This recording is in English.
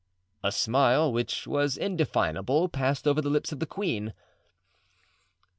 A smile, which was indefinable, passed over the lips of the queen.